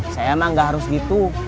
saya emang gak harus gitu